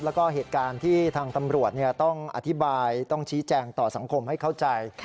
แล้วก็เหตุการณ์ที่ทางตำรวจต้องอธิบายต้องชี้แจงต่อสังคมให้เข้าใจ